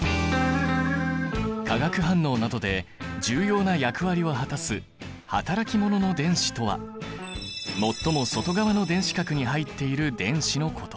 化学反応などで重要な役割を果たす働き者の電子とは最も外側の電子殻に入っている電子のこと。